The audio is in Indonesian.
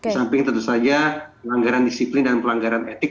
di samping tentu saja pelanggaran disiplin dan pelanggaran etik